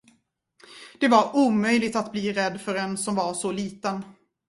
Det var omöjligt att bli rädd för en, som var så liten.